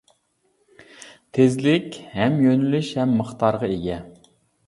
تېزلىك ھەم يۆنىلىش ھەم مىقدارغا ئىگە.